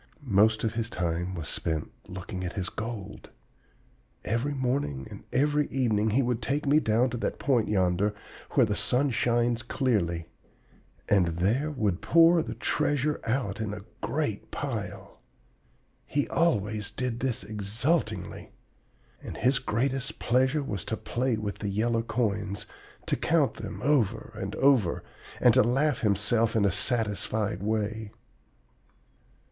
Most of his time was spent looking at his gold. Every morning and every evening he would take me down to that point yonder where the sun shines clearly, and there would pour the treasure out in a great pile. He always did this exultingly. And his greatest pleasure was to play with the yellow coins, to count them over and over, and to laugh to himself in a satisfied way.